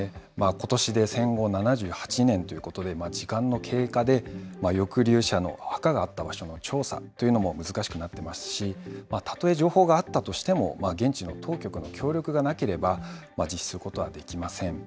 ことしで戦後７８年ということで、時間の経過で、抑留者の墓があった場所の調査というのも難しくなってますし、たとえ情報があったとしても現地の当局の協力がなければ、実施することはできません。